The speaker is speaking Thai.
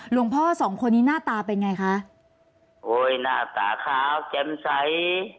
หลวงพ่อสองคนนี้หน้าตาเป็นไงคะโอ้ยหน้าตาขาวแจ้มใส